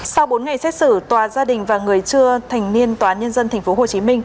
sau bốn ngày xét xử tòa gia đình và người chưa thành niên tòa nhân dân tp hcm